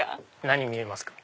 何に見えますか？